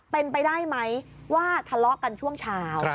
เป็นไปได้ไหมว่าทะเลาะกันช่วงเช้า